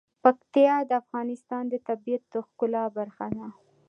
پکتیا د افغانستان د طبیعت د ښکلا برخه ده.